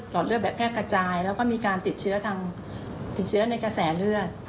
อดเลือดแบบแพร่กระจายแล้วก็มีการติดเชื้อทางติดเชื้อในกระแสเลือด